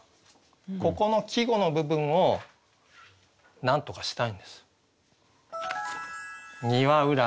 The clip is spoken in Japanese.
ここの季語の部分をなんとかしたいんです。